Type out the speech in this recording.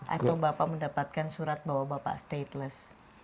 atau bapak mendapatkan surat bahwa bapak stateless